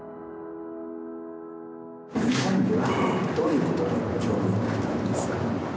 日本にはどういうことで興味を持ったのですか？